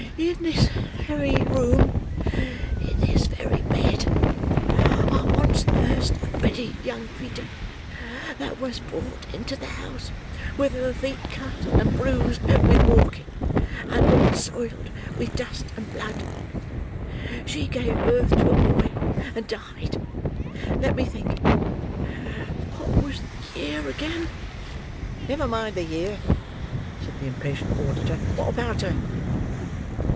"In this very room—in this very bed—I once nursed a pretty young creetur', that was brought into the house with her feet cut and bruised with walking, and all soiled with dust and blood. She gave birth to a boy, and died. Let me think—what was the year again!" "Never mind the year," said the impatient auditor; "what about her?"